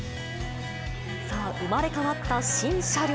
さあ、生まれ変わった新車両。